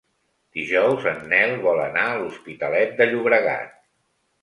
Dijous en Nel vol anar a l'Hospitalet de Llobregat.